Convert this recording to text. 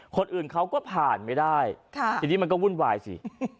คนอื่นเขาก็ผ่านไม่ได้ทีนี้มันก็วุ่นวายสิ